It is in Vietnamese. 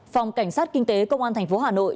phòng cảnh sát kinh tế công an tp hà nội